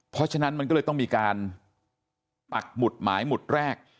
เพราะฉะนั้นมันก็เลยต้องมีการปักหมุดหมายหมุดแรก